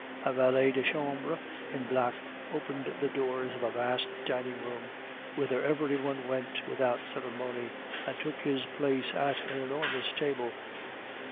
A valet de chambre in black opened the doors of a vast dining room, whither every one went without ceremony, and took his place at an enormous table.